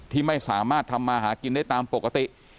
ที่ไม่สามารถทำมาหากินได้ตามปกติ